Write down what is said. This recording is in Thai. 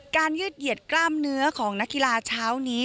ยืดเหยียดกล้ามเนื้อของนักกีฬาเช้านี้